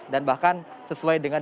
dan bahkan sesuai dengan